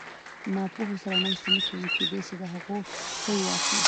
د ناپوهو سره ناسته مه کوئ! کېداى سي د هغو خوى واخلى!